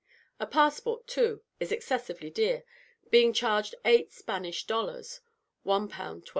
A passport, too, is excessively dear, being charged eight Spanish dollars (1 pounds 12s.).